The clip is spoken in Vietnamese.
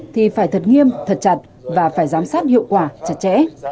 thì phải thật nghiêm thật chặt và phải giám sát hiệu quả chặt chẽ